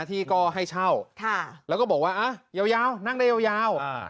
ที่ก็ให้เช่าค่ะแล้วก็บอกว่าอ่ะยาวยาวนั่งได้ยาวยาวอ่า